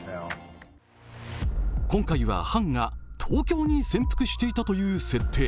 今回はハンが東京に潜伏していたという設定。